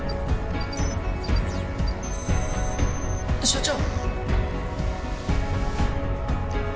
所長。